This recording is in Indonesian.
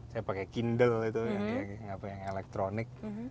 saya pakai kindle itu yang apa yang elektronik